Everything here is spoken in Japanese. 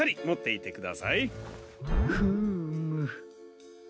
フーム。